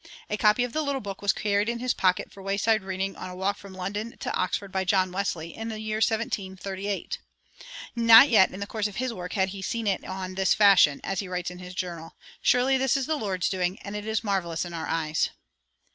A copy of the little book was carried in his pocket for wayside reading on a walk from London to Oxford by John Wesley, in the year 1738. Not yet in the course of his work had he "seen it on this fashion," and he writes in his journal: "Surely this is the Lord's doing, and it is marvelous in our eyes."